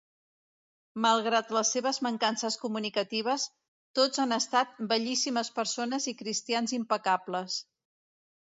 Malgrat les seves mancances comunicatives, tots han estat bellíssimes persones i cristians impecables.